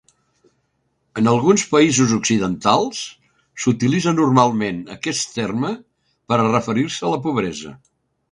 En alguns països occidentals, s'utilitzà normalment aquest terme per a referir-se a la pobresa.